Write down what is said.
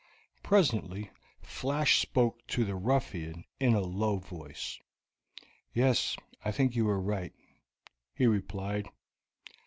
Presently Flash spoke to the ruffian in a low voice. "Yes, I think you are right," he replied.